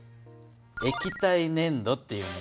「液体ねん土」って言うねん。